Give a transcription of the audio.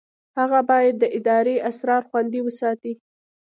هغه باید د ادارې اسرار خوندي وساتي.